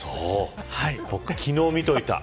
僕、昨日見といた。